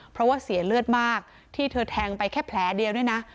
เพราะว่าเสียเลือดมากที่เธอแทงไปแค่แผลเดียวด้วยนะ